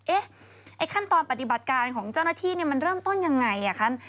ไอ้ขั้นตอนปฏิบัติการของเจ้าหน้าที่มันเริ่มต้นยังไงคะ